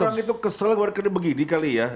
mungkin orang itu kesel kalo begini kali ya